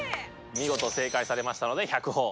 見事正解されましたので１００ほぉ。